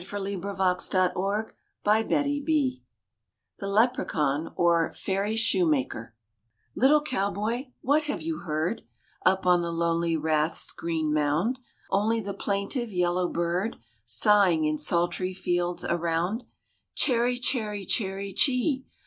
John Milton 139] RAINBOW GOLD THE LEPRACAUN OR FAIRY SHOEMAKER LITTLE Cowboy, what have you heard, Up on the lonely rath's green mound? Only the plaintive yellow bird Sighing in sultry fields around, Chary, chary, chary, chee ee!